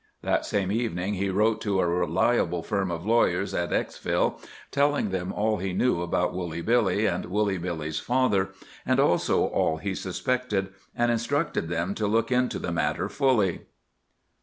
That same evening he wrote to a reliable firm of lawyers at Exville, telling them all he knew about Woolly Billy and Woolly Billy's father, and also all he suspected, and instructed them to look into the matter fully.